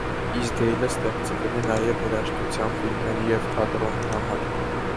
Իզդեյլը ստեղծել է նաև երաժշտություն ֆիլմերի և թատրոնի համար։